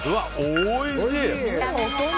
おいしい！